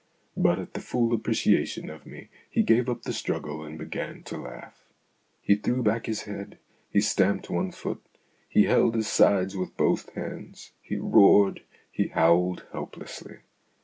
But at the full appreciation of me he gave up the struggle and began to laugh. He threw back his head ; he stamped one foot ; he held his sides with both hands ; he roared ; he howled helplessly.